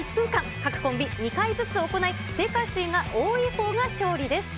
各コンビ２回ずつ行い、正解数が多いほうが勝利です。